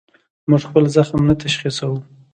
موږ خپل زخم نه تشخیصوو.